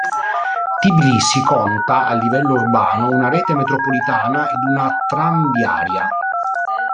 Tbilisi conta, a livello urbano, una rete metropolitana ed una tranviaria.